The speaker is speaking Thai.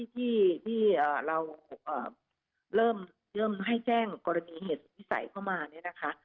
ที่เราเริ่มให้แจ้งกรณีเหตุวิสัยเข้ามาเนี่ยนะคะ